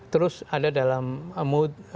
terus ada dalam mood